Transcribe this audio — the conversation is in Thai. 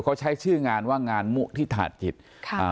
เขาใช้ชื่องานว่างานมุฒิธาจิตค่ะอ่า